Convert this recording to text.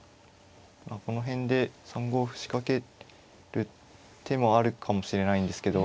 この辺で３五歩仕掛ける手もあるかもしれないんですけど。